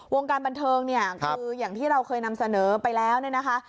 วงการบันเทิงเนี่ยคืออย่างที่เราเคยนำเสนอไปแล้วเนี่ยนะคะ